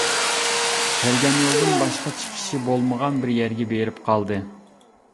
كەلگەن يولىدىن باشقا چىقىشى بولمىغان بىر يەرگە بېرىپ قالدى.